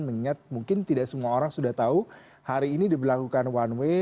mengingat mungkin tidak semua orang sudah tahu hari ini diberlakukan one way